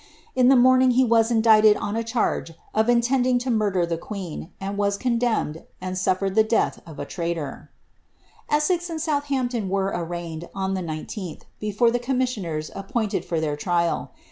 Id lh( morning he was indicted nteoding to murder the qaeen. and was condemned, and sunereu me ucnih of a iniitor.' Esses and Southampton were arraigned, on the li)th, before the com missioners appointed for their trial.